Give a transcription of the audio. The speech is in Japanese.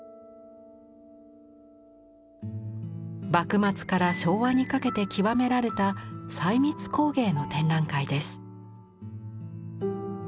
幕末から昭和にかけて極められた細密工芸の展覧会です。